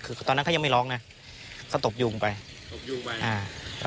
ตกลงไปจากรถไฟได้ยังไงสอบถามแล้วแต่ลูกชายก็ยังไง